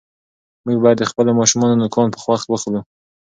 موږ باید د خپلو ماشومانو نوکان په وخت واخلو.